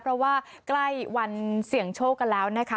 เพราะว่าใกล้วันเสี่ยงโชคกันแล้วนะคะ